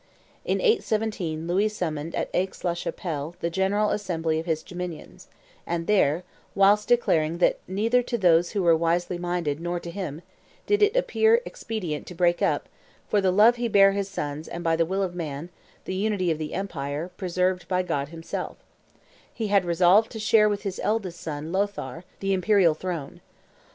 In 817 Louis summoned at Aix la Chapelle the general assembly of his dominions; and there, whilst declaring that "neither to those who were wisely minded, nor to himself, did it appear expedient to break up, for the love he bare his sons and by the will of man, the unity of the empire, preserved by God himself," he had resolved to share with his eldest son, Lothaire, the imperial throne.